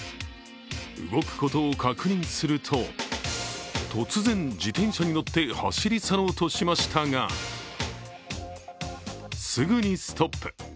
動くことを確認すると、突然、自転車に乗って走り去ろうとしましたが、すぐにストップ。